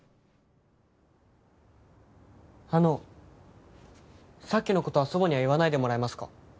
あのさっきの事は祖母には言わないでもらえますか？